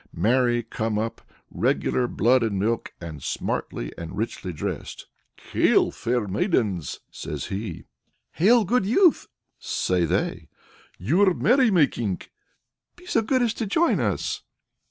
Marry, come up! regular blood and milk, and smartly and richly dressed. "Hail, fair maidens!" says he. "Hail, good youth!" say they. "You're merry making?" "Be so good as to join us."